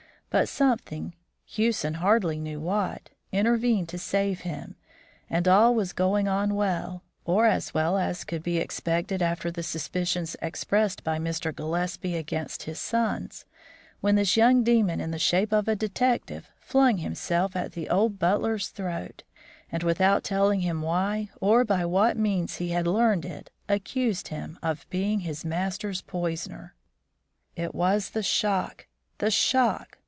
But something, Hewson hardly knew what, intervened to save him, and all was going on well, or as well as could be expected after the suspicions expressed by Mr. Gillespie against his sons, when this young demon in the shape of a detective flung himself at the old butler's throat and, without telling him why or by what means he had learned it, accused him of being his master's poisoner. "It was the shock! the shock!"